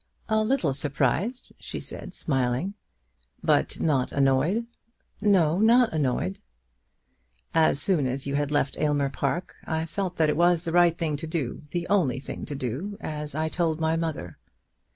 "A little surprised," she said, smiling. "But not annoyed?" "No; not annoyed." "As soon as you had left Aylmer Park I felt that it was the right thing to do; the only thing to do, as I told my mother."